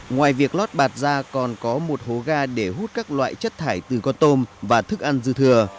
ngoài việc lót bạt ra còn có một hố ga để hút các loại chất thải từ con tôm và thức ăn dư thừa